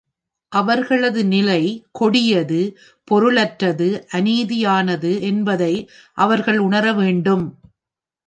அவர்களது நிலை கொடியது, பொருளற்றது, அநீதியானது என்பதை அவர்கள் உணர வேண்டும்.